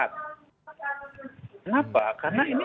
kenapa karena ini